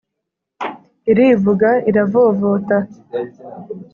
irivuga iravovota